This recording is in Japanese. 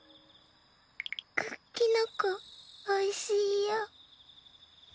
クッキノコおいしいよ。